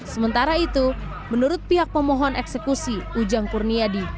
sementara itu menurut pihak pemohon eksekusi ujang kurniadi